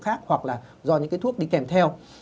khác hoặc là do những cái thuốc đi kèm theo